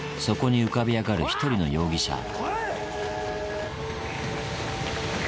そこに浮かび上がる１人の容疑者。